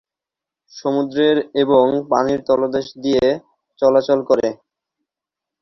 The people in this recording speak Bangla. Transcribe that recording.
সমুদ্রের এবং পানির তলদেশ দিয়ে চলাচল করে।